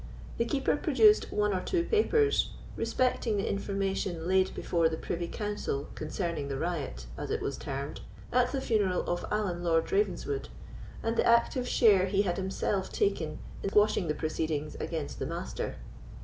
The Keeper produced one or two papers, respecting the information laid before the privy council concerning the riot, as it was termed, at the funeral of Allan Lord Ravenswood, and the active share he had himself taken in quashing the proceedings against the Master.